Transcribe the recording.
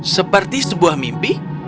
seperti sebuah mimpi